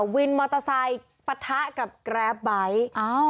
วินมอเตอร์ไซค์ปะทะกับแกรปไบท์